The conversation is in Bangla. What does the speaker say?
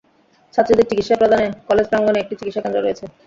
ছাত্রীদের চিকিৎসা প্রদানে কলেজ প্রাঙ্গনে একটি চিকিৎসা কেন্দ্র রয়েছে।